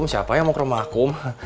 siapa yang mau ke rumah aku